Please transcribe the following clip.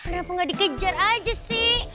kenapa nggak dikejar aja sih